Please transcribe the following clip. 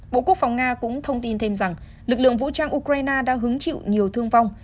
bộ quốc phòng nga cũng thông tin thêm rằng lực lượng vũ trang ukraine đã hứng chịu nhiều thương vong